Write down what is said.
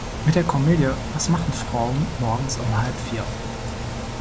Mit der Komödie "Was machen Frauen morgens um halb vier?